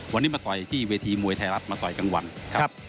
วันนี้มาต่อยที่เวทีมวยไทยรัฐมาต่อยกลางวันครับ